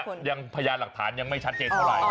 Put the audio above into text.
คือตอนนี้ยังพยายามหลักฐานยังไม่ชัดเกตเท่าไหร่